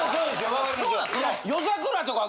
分かりますよ。